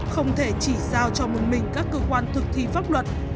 không thể chỉ giao cho một mình các cơ quan thực thi pháp luật